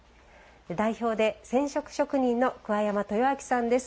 代表で、染色職人の桑山豊章さんです。